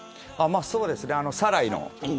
そうですね、サライの。